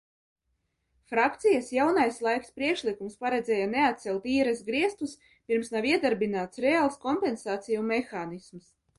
"Frakcijas "Jaunais laiks" priekšlikums paredzēja neatcelt īres griestus, pirms nav iedarbināts reāls kompensāciju mehānisms."